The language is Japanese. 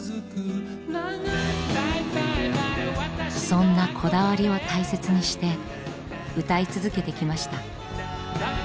そんなこだわりを大切にして歌い続けてきました。